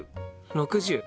６０。